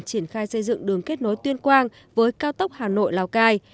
triển khai xây dựng đường kết nối tuyên quang với cao tốc hà nội lào cai